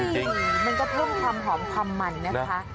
จริงมันก็เพิ่มความหอมความมันนะคะ